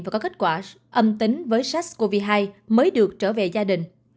và có kết quả âm tính với sars cov hai mới được trở về gia đình